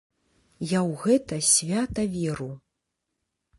Я ў гэта свята веру.